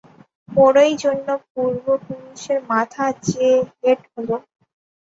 ওরই জন্যে পূর্বপুরুষের মাথা যে হেঁট হল।